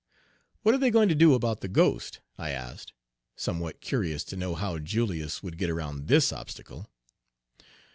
"What are they going to do about the ghost?" I asked, somewhat curious to know how Julius would get around this obstacle.